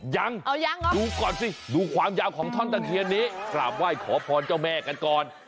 ยังดูก่อนสิดูความยาวของท่อนตะเคียนนี้กราบไหว้ขอพรเจ้าแม่กันก่อน